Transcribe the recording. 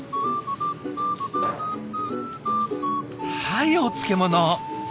はいお漬物。